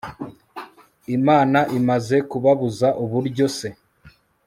imana imaze kubabuza uburyo se